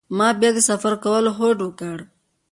ما بیا د سفر کولو هوډ وکړ.